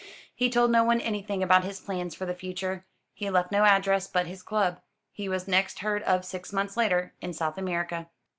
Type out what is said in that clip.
He told no one anything about his plans for the future; he left no address but his club. He was next heard of six months later, in South America.